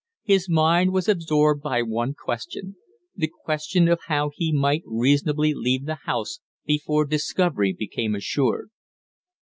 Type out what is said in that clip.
His mind was absorbed by one question the question of how he might reasonably leave the house before discovery became assured.